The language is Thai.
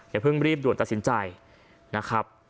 อย่าเพิ่งรีบด่วนตัดสินใจนะครับ